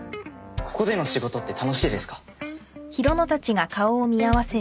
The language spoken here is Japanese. ここでの仕事って楽しいですか？